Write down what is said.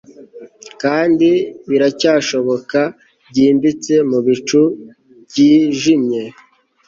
kandi biracyashoboka, byimbitse mubicu byijimye